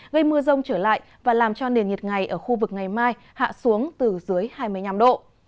gây mưa rông trở lại và làm cho nền nhiệt ngày ở khu vực ngày mai hạ xuống từ dưới hai mươi năm độ